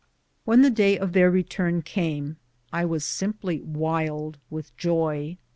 When the day of their return came, I was simply wild with joy.